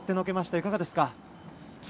いかがですか。